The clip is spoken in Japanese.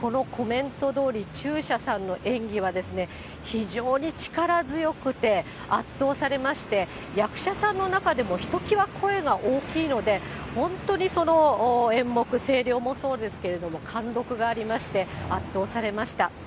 このコメントどおり、中車さんの演技は、非常に力強くて、圧倒されまして、役者さんの中でも、ひときわ声が大きいので、本当にその演目、声量もそうですけれども、貫禄がありまして、圧倒されました。